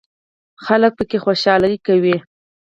خلک پکې خوشحالي کوي.